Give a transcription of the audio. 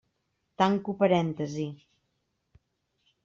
Tanco parèntesi.